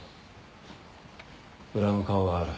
裏の顔がある。